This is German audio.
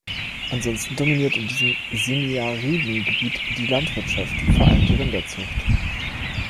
Ansonsten dominiert in diesem semiariden Gebiet die Landwirtschaft, vor allem die Rinderzucht.